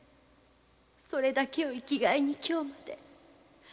それだけを生きがいに今日まで。